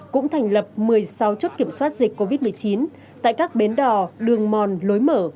cũng thành lập một mươi sáu chốt kiểm soát dịch covid một mươi chín tại các bến đò đường mòn lối mở